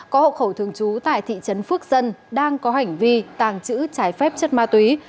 có hậu khẩu thường trú tại thị trấn phước dân đang có hành vi tàng trữ trái phép chất ma túy